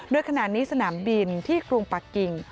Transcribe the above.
โดยขณะนี้สนามบินที่กรุงปะกิ่ง